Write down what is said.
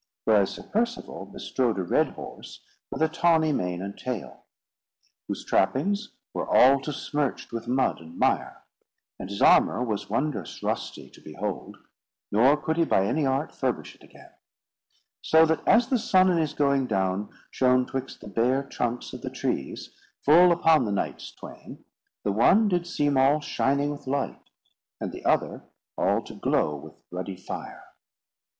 Whereas Sir Percivale bestrode a red horse, with a tawny mane and tail; whose trappings were all to smirched with mud and mire; and his armour was wondrous rosty to behold, ne could he by any art furbish it again; so that as the sun in his going down shone twixt the bare trunks of the trees, full upon the knights twain, the one did seem all shining with light, and the other all to glow with ruddy fire.